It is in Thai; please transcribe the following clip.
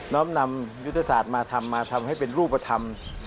้อมนำยุทธศาสตร์มาทำมาทำให้เป็นรูปธรรม